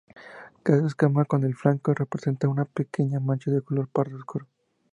Cada escama en el flanco presenta una pequeña mancha de color pardo oscuro.